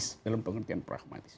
yang politis dalam pengertian pragmatis